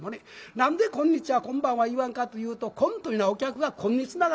何で「こんにちは」「こんばんは」言わんかというと「こん」というのは「お客が来ん」につながるんですね。